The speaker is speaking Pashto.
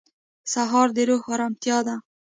سهار د روح ارامتیا ده.